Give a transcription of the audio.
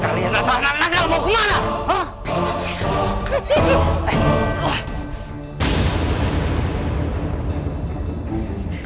kalian nakal nakal mau ke mana